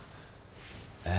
えっ？